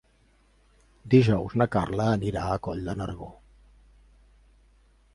Dijous na Carla anirà a Coll de Nargó.